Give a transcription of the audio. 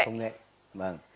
công nghệ vâng